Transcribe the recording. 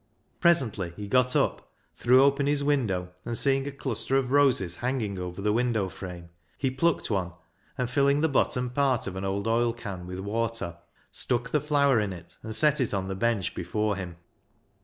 Presently he got up, threw open his window, and seeing a cluster of roses hanging over the window frame, he plucked one, and filling the bottom part of an old oil can with water, stuck the flower in it and set it on the bench before him.